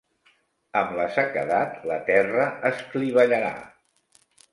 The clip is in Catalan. Amb la sequedat la terra es clivellarà.